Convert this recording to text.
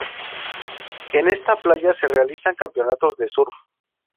En esta playa se realizan campeonatos de surf.